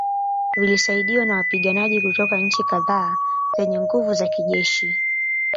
Vilisaidiwa na wapiganaji kutoka nchi kadhaa zenye nguvu za kijeshi